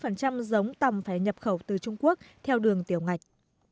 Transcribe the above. giống tầm phải nhập khẩu từ trung quốc theo đường tiểu ngạch